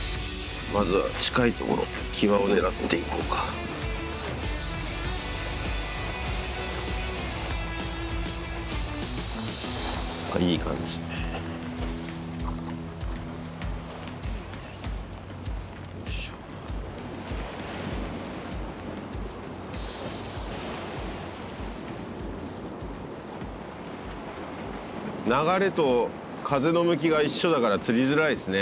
まずは近い所際を狙っていこうかいい感じよいしょ流れと風の向きが一緒だから釣りづらいですね